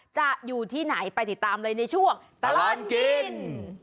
อยู่ที่ไหนไปติดตามเลยในช่วงตลอดกิน